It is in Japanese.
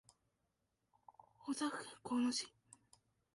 大阪府交野市